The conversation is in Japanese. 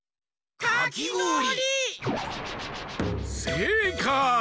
せいかい！